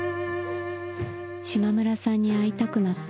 島村さんに会いたくなった」。